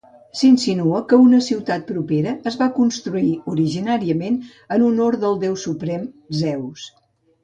S'insinua que una ciutat propera es va construir originàriament en honor del déu suprem, Zeus.